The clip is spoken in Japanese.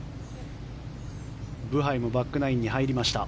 ブハイもバックナインに入りました。